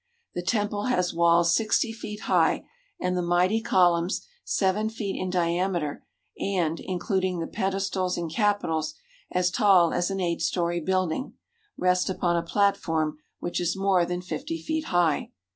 The temple has walls sixty feet high, and the mighty columns — seven feet in diameter, and, including the pedestals and capitals, as tall as an eight story build ing — rest upon a platform which is more than fifty feet high.